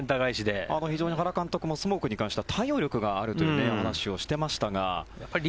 非常に原監督もスモークに関しては対応力があるという話をしていましたが。